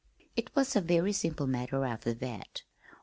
It was a very simple matter after that.